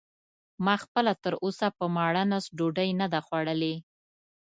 ما خپله تراوسه په ماړه نس ډوډۍ نه ده خوړلې.